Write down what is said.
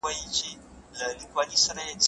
د مطالعې ښه عادتونه شخصي وده لوړوي.